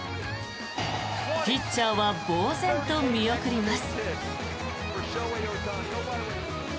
ピッチャーはぼうぜんと見送ります。